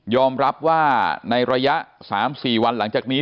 รับว่าในระยะ๓๔วันหลังจากนี้